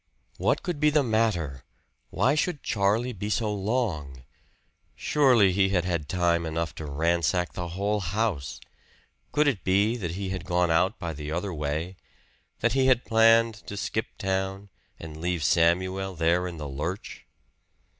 What could be the matter? Why should Charlie be so long? Surely he had had time enough to ransack the whole house! Could it be that he had got out by the other way that he had planned to skip town, and leave Samuel there in the lurch?